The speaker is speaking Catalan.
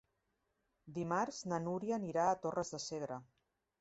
Dimarts na Núria anirà a Torres de Segre.